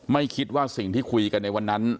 ไม่คิดว่าสิ่งที่คุยกันในวันนั้น